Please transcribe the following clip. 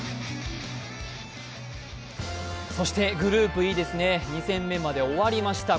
そして、グループＥ、２戦目まで終わりました。